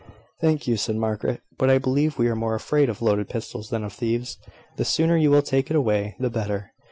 "Thank you," said Margaret, "but I believe we are more afraid of loaded pistols than of thieves. The sooner you take it away the better.